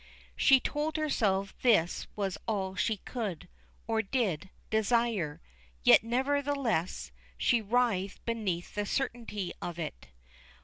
She told herself this was all she could, or did, desire; yet, nevertheless, she writhed beneath the certainty of it.